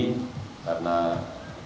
karena kelihatan dari kejoran kejoran